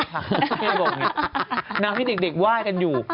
พี่อัมบอกอย่างนี้น้ำที่เด็กว่ายกันอยู่